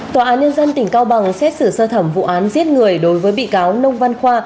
tòa án nhân dân tỉnh cao bằng xét xử sơ thẩm vụ án giết người đối với bị cáo nông văn khoa